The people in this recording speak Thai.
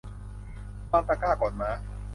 วางตะกร้าก่อนม้า